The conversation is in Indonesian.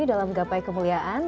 dalam gapai kemuliaan